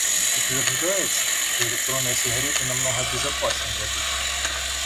Утверждается, что электронные сигареты намного безопасней обычных